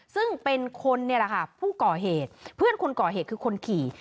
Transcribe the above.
ซึ่งเป็นคนนี่แหละค่ะผู้ก่อเหตุเพื่อนคนก่อเหตุคือคนขี่